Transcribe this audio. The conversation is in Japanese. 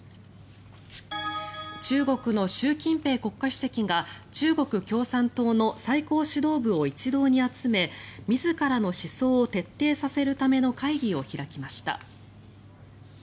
中国の習近平国家主席が中国共産党の最高指導部を一堂に集め自らの思想を徹底させるための会議を開きました。